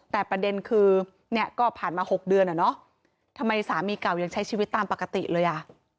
แต่ประเด็นคือเนี่ยก็ผ่านมา๖เดือนอ่ะเนอะทำไมสามีเก่ายังใช้ชีวิตตามปกติเลยอ่ะ